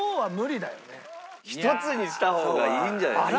１つにした方がいいんじゃないですか？